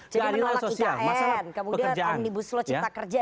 jadi menolak ikn kemudian omnibus law cipta kerja ini